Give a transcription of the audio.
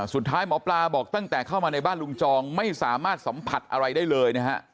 สุดท้ายหมอปลาบอกตั้งแต่เข้ามาในบ้านลุงจองไม่สามารถสัมผัสอะไรได้เลยนะฮะ